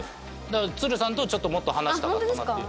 だから鶴さんとちょっともっと話したかったなっていう。